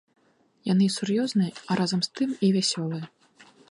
Яны і сур'ёзныя, а разам з тым і вясёлыя.